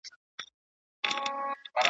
د افغانستان د استقلال د ورځي ..